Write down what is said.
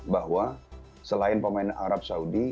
bahwa selain pemain arab saudi